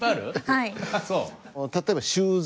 はい。